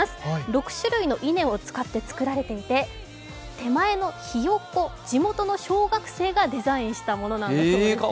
６種類の稲を使って作られていて手前のひよこ、地元の小学生がデザインしたものだそうですよ。